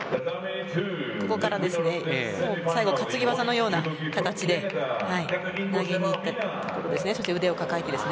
ここから最後担ぎ技のような形で投げに行ったんです。